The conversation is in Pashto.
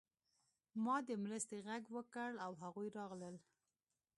ما د مرستې غږ وکړ او هغوی راغلل